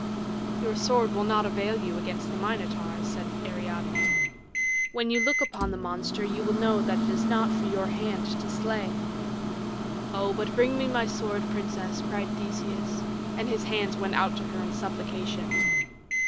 "Your sword will not avail you against the Minotaur," said Ariadne; "when you look upon the monster you will know that it is not for your hand to slay." "Oh, but bring me my sword, princess," cried Theseus, and his hands went out to her in supplication.